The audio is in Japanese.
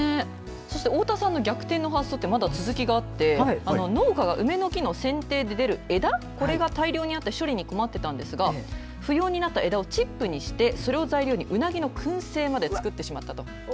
太田さんの逆転の発想ってまだ続きがあって農家が梅の木のせん定で出る枝が大量にあって処理に困っていたんですが不要になった枝をチップにしてそれを材料にうなぎのくん製まで作ってしまったんです。